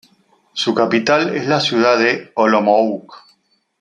Su capital es la ciudad de Olomouc.